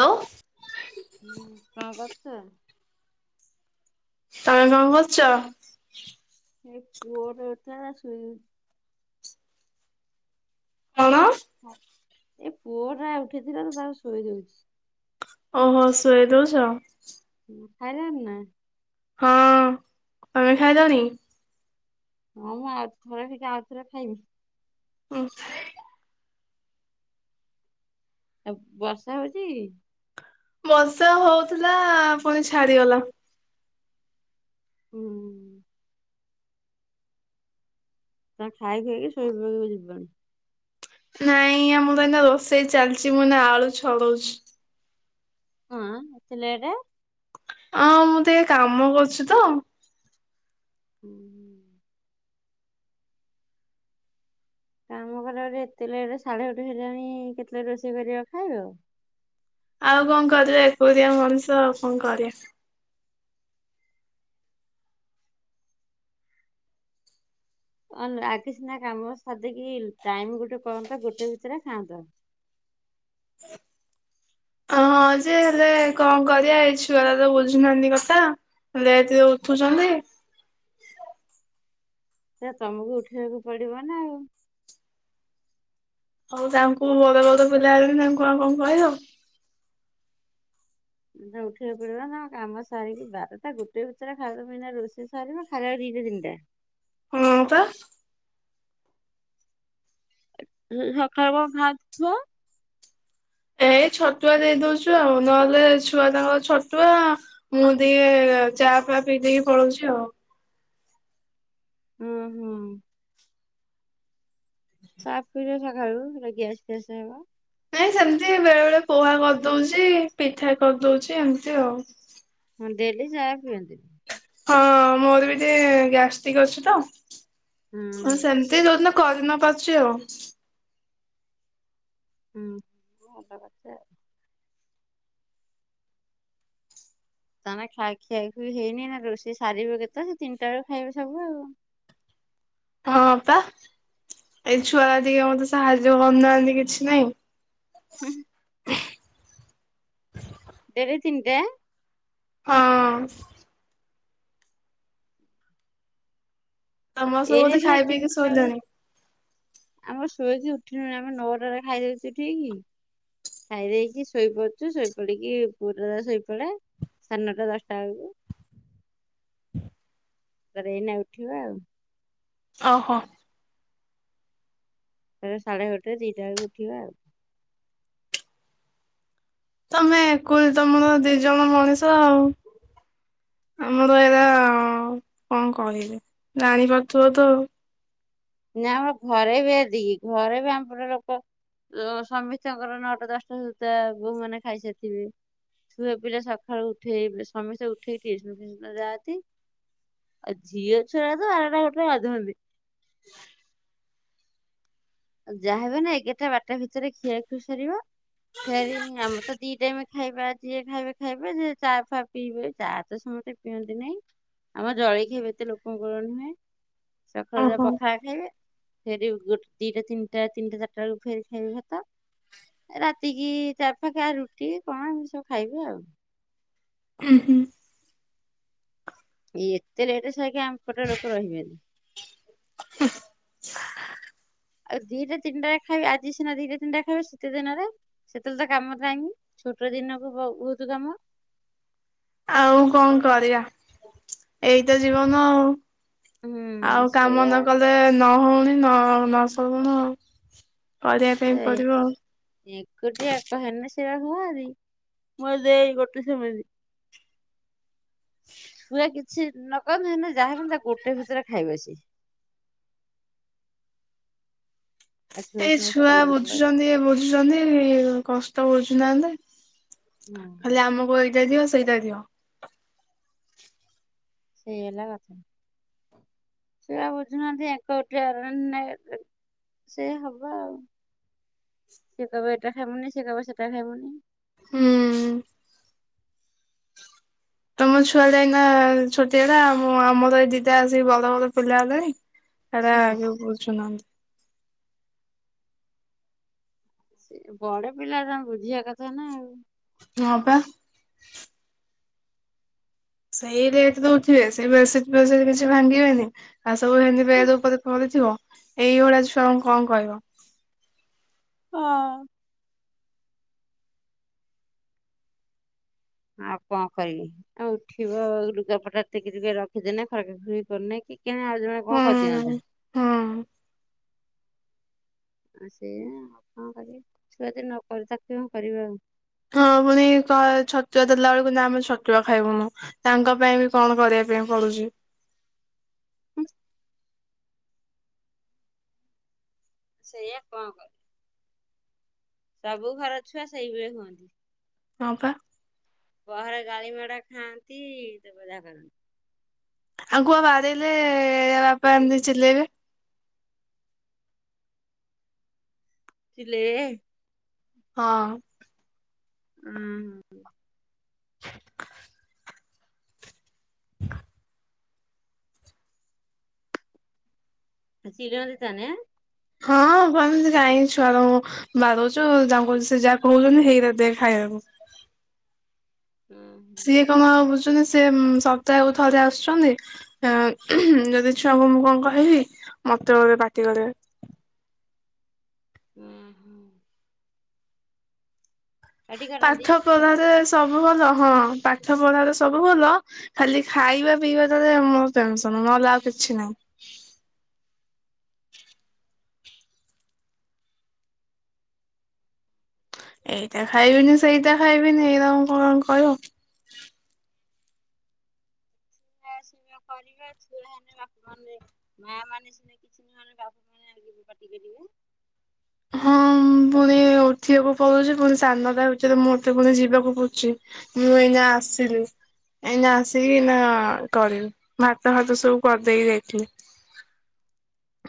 Hello. ହୁଁ କଣ କରୁଚ? ତମେ କଣ କରୁଚ? ସେ ପୁଅର [inaudible] ଶୋଇବୁ। କଣ? ଏ ପୁଅଟା ଉଠିଥିଲା ତ ତାକୁ ଶୋଇ ଦଉଚି। ଓହୋ ଶୁଆଇଦଉଚ? ଖାଇଲଣି ନା? ହଁ ତମେ ଖାଇଲଣି? ହଁ ମୁଁ ଆଉ ଥରେ ଟିକେ ଆଉଥରେ ଖାଇବି। ଉଁ। ଆଉ ବର୍ଷା ହଉଚି? ବର୍ଷା ହଉଥିଲା ପୁଣି ଛାଡିଗଲା। ହୁଁ। ତ ଖାଇ ଖାଇକି ଶୋଇ ପଡିବ ଯିବନି। ନାଇଁ ଆମର ପା ଏଇନା ରୋଷେଇ ଚାଲିଛି ମୁଁ ଏଇନା ଆଳୁ ଛଡଉଛି। ହଁ ଏତେ ଲେଟ୍? ହଁ ମୁଁ ଟିକେ କାମ କରୁଛି ତ? ହୁଁ। କାମ କରିବ ଗୋଟେ ଏତେ ଲେଟ ସାଢେ ଗୋଟେ ହେଲାଣି କେତେ ବେଳେ ରୋଷେଇ କରିବ ଖାଇବ? ଆଉ କଣ କରିବା ଏକୁଟିଆ ମଣିଷ ଆଉ କଣ କରିବା? ହଁ ଆଗେ ସିନା କାମ ସାରିଦେଇକି ଟାଇମ ଗୋଟେ କରନ୍ତ ଗୋଟେ ଭିତରେ ଖାଆନ୍ତ। ଅ ହଁ ଯେ ହେଲେ କଣ କରିବା ଏଇ ଛୁଆତ ବୁଝୁନାହାନ୍ତି କଥା। ଲେଟରେ ଉଠୁଛନ୍ତି। ସେ ତମକୁ ଉଠେଇବାକୁ ପଡିବ ନା ଆଉ ଆଉ ତାଙ୍କୁ ବଡ ବଡ ପିଲା ହେଲଣି ବି ତାଙ୍କୁ ଆଉ କଣ କହିବ? ଉଠେଇକୁ ପଡିବ ନା କାମ ସାରିକି ବାରଟା ଗୋଟେ ଭିତରେ ଖାଇବା ପାଇଁ ରୋଷେଇ ସାରିମ ଖାଇବା ଦିଟା ତିନିଟା। ହଁ ପା। ସକାଳୁ କଣ [inaudible] ଏ ଏଇ ଛତୁଆ ଦେଇ ଦଉଛୁ ଆଉ ନହେଲେ ଛୁଆ ତାଙ୍କର ଛତୁଆ ମୁଁ ଟିକେ ଚାହା ଫା ପିଇ ଦେଇକି ପଳଉଛି ଆଉ ହୁଁ ହୁଁ। ଚା ପିଉଛ ସକାଳୁ ଗ୍ୟାସ ଫ୍ୟାସ ହବ। ନାଇଁ ସେମିତି ବେଳେ ବେଳେ ପୋହା କରିଦଉଛି ପିଠା କରିଦଉଛି ଏମିତି ଆଉ ହଁ ଡେଲି ଚାହା ପିଅନ୍ତିି। ହଁ ମୋର ବି ଟିକେ ଗ୍ୟାଷ୍ଟିକ ଅଛି ହୁଁ ତ ସେମ ତି ଯୋଉଦିନ କରି ନ ପାରୁଛି ଆଉ ହୁଁ ଭଲ କରିଛ ଆଉ ତମେ ଖାଆ ଖିଆ ଖିଇ ହେଇନି ନା ରୋଷେଇ ସାରିବ କେତେ ସେ ତିନଟା ବେଳୁ ଖାଇବେ ସବୁ ଆଉ ହଁ ପା ଏଇ ଛୁଆ ଟିକେ ମତେ ସାହାଯ୍ୟ କରୁନାହାନ୍ତି କିଛି ନାହିଁ। ହୁଁ। [unintelligible] ହଁ। ସମସ୍ତେ ଏଇନା ବୋଧେ ସିନା ଖାଇ ପିଇକି ତିନିଟା ବେଳେ ଶୋଇଲଣି? ଆମର ଶୋଇକି ଉଠିନୁ ଆମେ ନଅଟାରେ ଖାଇଦଉଛୁ ଠିକ। ଖାଇ ଦେଇେଇକି ଶୋଇପାରୁୁଛୁ ଶୋଇପଡିକି ପୁରଦା ଶୋଇପଡା। ସାଢ଼େ ନା ଟା ଦଶଟା ବେଳକୁ [unintelligible] ଓହୋ। ସାଢେ ଗୋଟେ ଦି ଟା ବେଳ କୁ ଉଠିବା ଆଉ। ତମେ ତମର ଦି ଜଣ ମଣିଷ ଆଉ। ଆମର ଏରା କଣ କହିବେ ଜାଣିପାରୁଥିବ ତ ଆଉ। ନା ଆମର ଘରେ ବି ଏତିକି, ଘରେ ବି ଆମର ଲୋକ ସମୀସ୍ତଙ୍କର ନଅଟା ଦଶଟା ସୁଦ୍ଧା ବୋହୂ ମାନେ ଖାଇସାରିଥିବେ। ଛୁଆ ପିଲା ସକାଳୁ ଉଠେଇ ସମସ୍ତେ ଉଠେଇକି ଟିସନ ଫିସନ୍ ଯାନ୍ତି। ଆଉ ଝିଅ ଛୁଆ ତ ବାର ଟା ଗୋଟେ ରେ ଗାଧାନ୍ତି। [inaudible] ଯାହା ହେବ ନା ଏଗାରଟା ବାରଟା ଭିତରେ ଖିଆଖିଇ ସାରିବ। ଫେରି ଆମର ତ ଦି ଟାଇମ ଖାଇବା, ଯିଏ ଖାଇବା ଖାଇବେ ଯେ ଚା ଫା ପିଇବେ ଚା ତ ସମସ୍ତେ ପିଅନ୍ତି ନାଇଁ। ଆମର ଜଳଖିଆ ଏତେ ଲୋକଙ୍କର ନୁହେଁ। ଆଉ। ସକାଳୁରେ ଓହୋ। ପଖାଳ ଖାଇବେ ସେଠ ଗୋଟ ଦିଟା ତିନଟା ତିନି ଟା ଚାରି ଟା ବେଳକୁ ଫେରେ ଖାଇବେ ତ। ରାତିକି ଚାରି ପାାଖଆ ରୁଟି କଣ ଏ ସବୁ ଖାଇବେ ଆଉ। ହୁଁ ହୁଁ। ଏତେ ଲେଟ୍ ସାଇକି ଆମେ ପଟ ଲୋକ ରହିବେନି। [unintelligible] ଆଉ ଦିଟ ତିନିଟା ଖାଇବେ ଆଜିି ସିନା ଦିଟା ତିନିଟା ରେ ଖାଇବେ ଶିତ ଦିନରେ। ସେତେବେଳେ ତ କାମ ନାହିଁ, ଛୋଟ ଦିନକୁ ବହୁତ୍ କାମ। ଆଉ କଣ କରିବା, ଏଇତ ଜୀବନ ଆଉ। ହୁଁ ଆଉ କାମ ସେଇଆ। ନ କଲେ ନହଉଣି ନ ନ ଶରୁୁଣ ଆଉ। କରିବା ପାଇଁ ସେଇ ପଡିବ ଆଉ। ଏକୁଟିଆ ଏକା ହେନେ ସେୟା ହୁଏ ଭାରି ମୋ ଦେଇ ଗୋଟେ ସେମିତି। ଛୁଆ କିଛି ନ କନେ ହେନେ ଯାହା ବି ହେନେ ଗୋଟେ ଭିତରେ ଖାଇବେ ସେ। ଆଉ ଏଇ ସିନା ଛୁଆ ସ୍କୁଲ ପଳେଇଲେ ବୁଝୁଛନ୍ତି ଏ ବୁଝୁଛନ୍ତି କଷ୍ଟ ବୁଝୁ ନାହାନ୍ତି। [unintelligible] କହିଲେ ଆମକୁ ଏଇଟା ଦିଅ ସେଇଟା ଦିିଅ। ସେଇ ହେଲା କଥା ଛୁଆ ବୁଝୁନାହାନ୍ତି [unintelligible] ସେ ହବ ସେ କହିବେ ଏଟା ଖାଇବୁନି ସେ କହିବ ସେଟା ଖାଇବୁନି। ହୁଁ। ତମ ଛୁଆଟା ଏଇନା ଛୋଟିଆଟା ଆ ଆମର ଏ ଦିଦା ଆସିକି ବଡ଼ ବଡ଼ ପିଲା ହେଲାଣି। ସେ ସେ [unintelligible] ସେ ବଡ ପିଲା ଜଣ ବୁଝିବା କଥା ନା ଆଉ। ହଁ ପା। ସେଇ ରେଟ ଦୋଉଥିବେ ସେଇ [unintelligible] କିଛି ଭାଙ୍ଗିବେନି। ଏ ସବୁ ହେଇନ୍ତି ବେଡ୍ ଉପରେ ପଡିଥିବ ଏଈ ଭଳିଆ ଛୁଆଙ୍କୁ କଣ କହିବ? ହଁ। ଆଉ କଣ କହିବି, ଆଉ ଉଠିବ ଲୁଗା ପଟା ଟେ କି ଟୁକା ରଖିଦେନେ ସଜା ସୁଜି କରୁନି କି କେ ଆଉ ଜଣ କଣ କରିଦିଅନ୍ତା। ହଁ। ଆଉ ସେୟା ଆଉ କଣ କରିବି ଛୁଆଯଦି ନ କରି [unintelligible] ହଁ, ପୁଣି ଛତୁଆ ଦେଲାବେଳକୁ ଆମେ ଛତୁଆ ଖାଇବୁନୁ। ତାଙ୍କ ପାଇଁ ବି କଣ କରିବା ପାଇଁ ପଡୁଚି। ହୁଁ ସେଇଆ କଣ କରି ସବୁ ଘର ଛୁଆ ସେଇଭଳି ହୁଅନ୍ତି। ହଁ ପା। ବାହରେ ଗାଳିମାଡା ଖାଆନ୍ତି ତାପରେ ଜାହା କରନ୍ତି। ଆଙ୍କୁ ବା ବାଡେରେଇଲେ ୟାବାପା ଏମିତି ଚିଲେଇବେ। ଚିଲେଇବେ? ହଁ। ଉଁ ହୁଁ। [unintelligible] ଚିଡ଼ନ୍ତି ତାହାନେ? ହଁ କୁହନ୍ତି କାଇଁ ଛୁଆରାଙ୍କୁ ବାଡୋଉଚୁ ତାଙ୍କୁ ସେ ଯାହା କୋହୁଚନ୍ତି ହେଇରା ଦେ ଖାଇବାକୁ। ଉଁ ହୁଁ। ସିଏ କଣ ଆଉ ବୁଝୁଚନ୍ତି ସିଏ ସପ୍ତାହକୁ ଥରେ ଆସୁଛନ୍ତି। ହଁ, ଯଦି ଛୁଆ ମୁଁ କଣ କହିବି ମତେ ଗୁରେ ପାଟି କରିବେ। ହୁଁ ହୁଁ। ଏଠି କରନ୍ତି। ପାଠ ପଢାରେ ସବୁ ଭଲ ହଁ ପାଠ ପଢାରେ ସବୁ ଭଲ ଖାଲି ଖାଇବା ପିଇବାଟାରେ ମୋର ଟେନସନ୍ ନହେଲେ ଆଉ କିଛି ନାହିଁ। ଏଇଟା ଖାଇବିନି ସେଇଟା ଖାଇବିନି ଏଇରାଙ୍କୁ କଣ କହିବ। ଛୁଆ ସ୍ନେହ କରିବେ ଛୁଆ ହେନେ ବାପାମାନେ ମାମାନେ ସିନା କିଛି ନହେଁନେ ବାପା ମାନେ [unintelligible] ବି ପାଟିକରିବେ। ହଁ ପୁଣି ଉଠିବାକୁ ପଡୁଛି ପୁଣି ସାଢେ ନଅଟା ଭିତରେ ମୋତେ ପୁଣି ଯିବାକୁ ପଡୁଚି। ମୁଁ ଏଇନା ଆସିଲି। ଏଇନା ଆସିକି ଏଇନା କରିବି ଭାତ ଫାତ ସବୁ କରିଦେଇକି ଯାଇଥିଲି।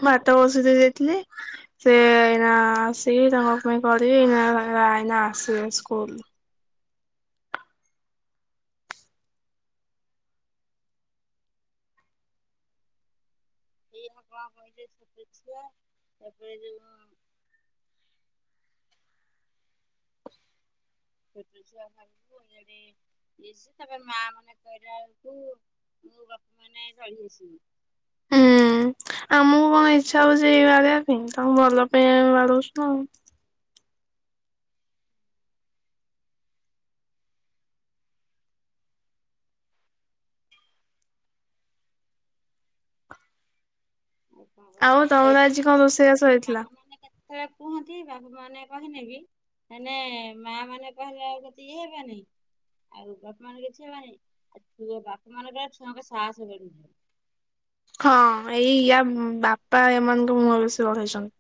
ଭାତ ବସେଇଦେଇକି ଯାଇଥିଲି। ସେ ଏଇନା ଆସିକି ତାଙ୍କପାଇଁ କରିବି ଏଇ ରା ଏଇନା ଆସିବେ ସ୍କୁଲରୁ। ଏଇନା କଣ କହିଥିବେ ଛୋଟ ଛୁଆ ତାପରେ ଯୋଉ ଛୋଟ ଛୁଆ ଘରକୁ ଇଆଡେ ଇଏ ଯିଏ ତାପରେ ମା ମାନେ କହିଲା ବେଳକୁ ମୁଁ ବାପା ମାନେ ଚଢି ଆସିବେ। ହୁଁ ଆମକୁ କଣ ଇଚ୍ଛା ହୋଉଚି କି ବାଡେଇବା ପାଇଁ ତାଙ୍କ ଭଲ ପାଇଁ ଆମେ ବାଡୋଉଚୁ ନା ଆଉ। ମୁଁ କଣ ଆଉ ତମର ଆଜି କଣ ରୋଷେଇ ବାସ ହେଇଥିଲା? ସେଇଆ କୁହନ୍ତି ବାପ ମାନେ କହିନେ କି? ମନେ ମା ମାନେ କହିଲେ ବେଳକୁ ଏତେ ଇଏ ହେବେନେଇ। ଆଉ ବାପା ମାନେ କିଛି ହେବନି ଆଉ ଛୁଆ ବାପା ମାନପାଙ୍କର ଛୁଆଙ୍କ ସାହସ ବଡିଯିବ। ହଁ ଏଇ ୟା ବାପା ଏମାନଙ୍କ ମୁହଁ ବେଶି ବଢେଇଚନ୍ତି।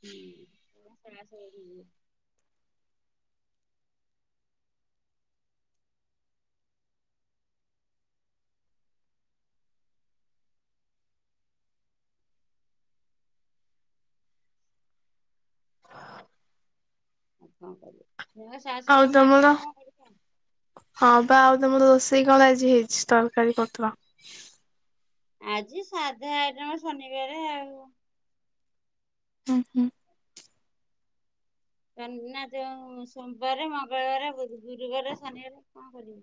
ହୁଁ ସେପା ଶାହାସ ବଢିଯିବ। ଆଉ କଣ କରିବା ଛୁଆ ସାଆସ ଆଉ ବଡ଼ିଲେ ଆମେ ତମର ଆଉ କଣ କରିବୁ। ହଁ ପା ଆଉ ତୁମର ରୋଷେଇ କଣ ଆଜି ହେଇଚି ତରକାରୀ ପତ୍ର? ଆଜି ସାଧା ଆଇଟମ ଶନିବାରେ ଆଉ। ଉଁ ହୁଁ। କାନି ନା ଯୋଉ ସୋମବାରେ ମଙ୍ଗଳବାରେ ଗୁରୁବାରେ ଶନିବାରେ କଣ କରିବି?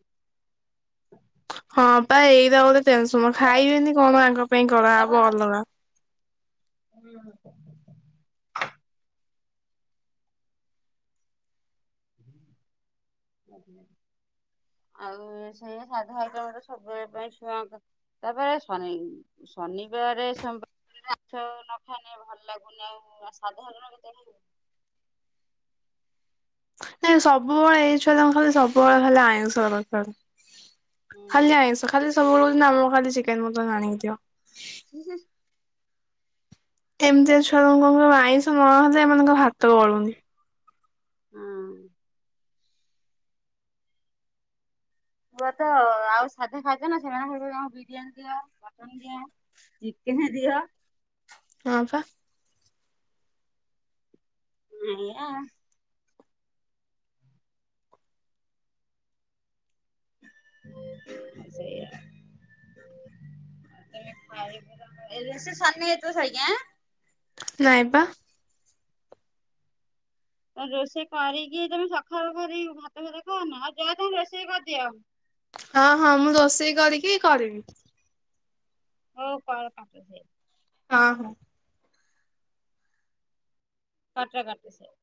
ହଁ ପା ଏଇରା ଗୋଟେ ଟେନସନ୍ ଖାଇବେନି କଣ ୟାଙ୍କ ପାଇଁ କରା ହବ ଅଲଗା। [unintelligible] [unintelligible] ଆଉ ସେଇ ସାଧା ଆଇଟମରେ ସବୁବେଳ ପାଇଁ ଛୁଆଙ୍କ ତାପରେ ଶନି ଶନିବାରେ, ସୋମବା ମାଛ ନ ଖାଇନେ ଭଲ ଲାଗୁନି ଆଉ। ସାଧାଲୁଣ କେତେ ଖାଇବୁ। ନାଇଁ ସବୁବେଳେ ଏଇଛୁରାଙ୍କୁ ଖାଲି ଆଇଁଷ ଦରକାର। ଖାଲି ଆଇଁଷ ଖାଲି ସବୁବେଳେ କୋହୁଚନ୍ତି ଆମକୁ ଖାଲି ଚିକେନ ମଟନ ଆଣିକି ଦିଅ। ହୁଁ ହୁଁ। ଏମିତିଆ ଛୁଆମାନଙ୍କୁ [unintelligible] ଆଇଁଷ ନହଲେ ଏମାନଙ୍କ ଭାତ ଗଳୁନି। ହଁ। ପୁଅ ତ ଆଉ ସାଧା ଖାଇଜ ନା ସେମାନେ ଖାଲି ବିରିୟାନୀ ଦିଅ ମଟନ୍ ଦିଅ। ଚିକେନ୍ ଦିଅ। ହଁ ପା। ହେଇୟା। ସେଇଆ। [unintelligible] ନାଇଁ ପା। ରୋଷେଇ କରିକି ତମେ ସକାଳୁ କରି ଭାତ ଭାତ ଖାଅନା ଆଉ ଯାଅ ତମେ ରୋଷେଇ କରିଦିଅ। ହଁ ହଁ ମୁଁ ରୋଷେଇ କରିକି କରିବି। ହଉ କର ତମ ରୋଷେଇ। ହଁ ହଁ। କାଟ କାଟୁସେ